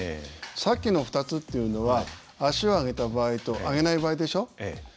さっきの２つというのは足を上げた場合と上げない場合でしょ？